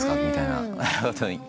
みたいな。